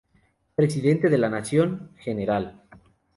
Presidente de la Nación, Gral.